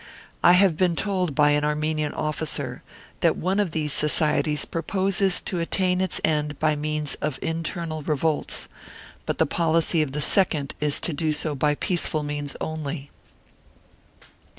I have been told by an Armenian officer that one of these Societies proposes to attain its end by means of internal revolts, but the policy of the second is to do so by peaceful means only.